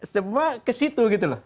semua kesitu gitu loh